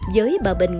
với bà bình